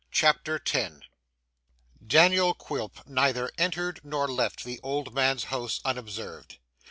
CHAPTER 10 Daniel Quilp neither entered nor left the old man's house, unobserved.